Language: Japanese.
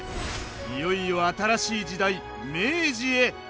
いよいよ新しい時代明治へ！